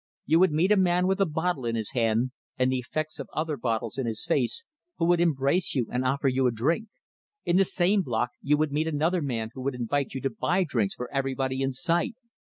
You would meet a man with a bottle in his hand, and the effects of other bottles in his face, who would embrace you and offer you a drink; in the same block you would meet another man who would invite you to buy drinks for everybody in sight.